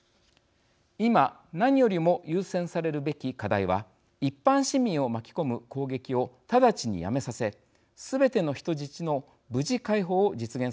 今何よりも優先されるべき課題は一般市民を巻き込む攻撃を直ちにやめさせすべての人質の無事解放を実現させること。